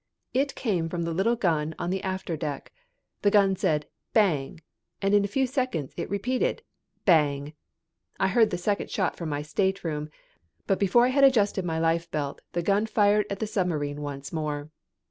It came from the little gun on the afterdeck. The gun said "Bang!" and in a few seconds it repeated "Bang!" I heard the second shot from my stateroom, but before I had adjusted my lifebelt the gun fired at the submarine once more.